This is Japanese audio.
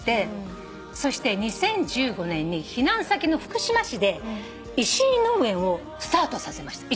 そして２０１５年に避難先の福島市で石井農園をスタートさせました。